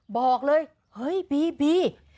บอกเลยเฮ้ยบีบี